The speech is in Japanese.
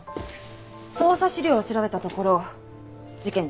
捜査資料を調べたところ事件